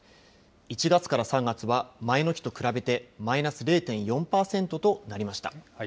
１月から３月は、前の日と比べてマイナス０．４％となりました。